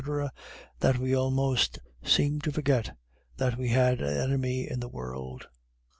that we almost seemed to forget that we had an enemy in the world.